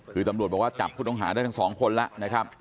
คือตำรวจบอกว่าจับผู้ต้องหาได้ทั้งสองคนแล้วนะครับ